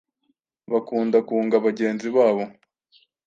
bakunda kunga bagenzi babo